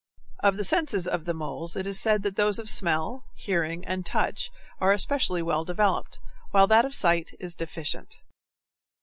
Of the senses of the moles it is said those of smell, hearing, and touch are especially well developed, while that of sight is deficient.